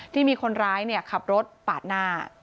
ที่มีคนร้ายขับรถปาดหน้า